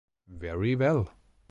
Very well!